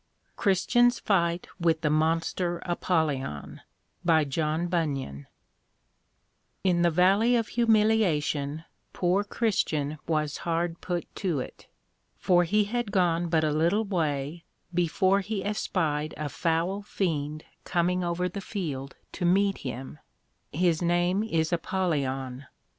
CHRISTIAN'S FIGHT WITH THE MONSTER APOLLYON By John Bunyan In the Valley of Humiliation, poor Christian was hard put to it; for he had gone but a little way, before he espied a foul Fiend coming over the field to meet him; his name is Apollyon.